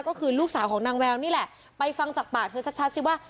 ก็คือลูกสาวของนางแววนี่แหละไปฟังจากปากเธอชัดชัดสิว่า